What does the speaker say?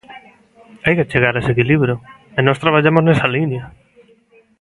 Hai que chegar a ese equilibrio, e nós traballamos nesa liña.